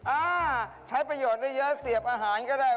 อ่าใช้ประโยชน์ได้เยอะเสียบอาหารก็ได้